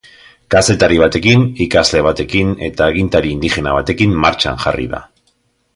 Kazetari batekin, ikasle batekin eta agintari indigena batekin martxan jarri da.